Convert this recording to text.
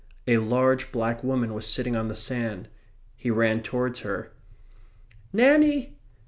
A large black woman was sitting on the sand. He ran towards her. "Nanny!